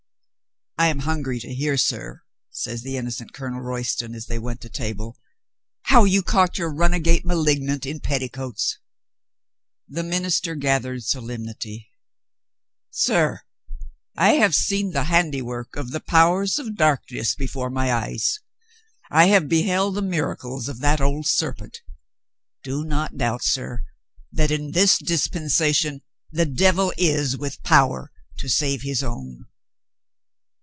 "I am hungry to hear, sir," says the innocent Colonel Royston, as they went to table, "how you caught your runagate malignant in petticoats." The minister gathered solemnity. "Sir, I have seen the handiwork of the powers of darkness before my eyes. I have beheld the miracles of that old ser 51 52 COLONEL GREATHEART pent Do not doubt, sir, that in this dispensation the devil is with power to save his own."